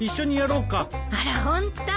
あらホント？